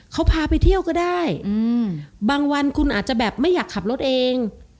เขาพาไปเที่ยวก็ได้บางวันคุณอาจจะแบบไม่อยากขับรถเอง